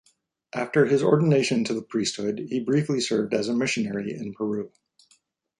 After his ordination to the priesthood, he briefly served as a missionary in Peru.